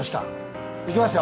いきますよ！